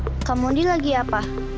kak kamu undi lagi apa